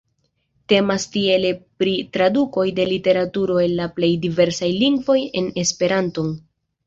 Temas tiele pri tradukoj de literaturo el la plej diversaj lingvoj en Esperanton.